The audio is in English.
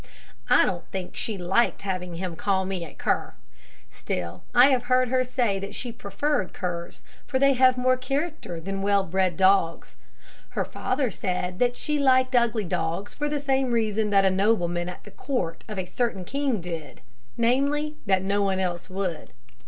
I don't think she liked having him call me a cur; still, I have heard her say that she preferred curs, for they have more character than well bred dogs. Her father said that she liked ugly dogs for the same reason that a nobleman at the court of a certain king did namely, that no one else would.